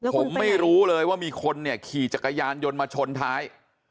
ผมไม่รู้เลยว่ามีคนเนี่ยขี่จักรยานยนต์มาชนท้าย